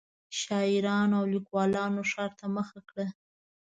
شاعرانو او لیکوالانو ښار ته مخه کړه.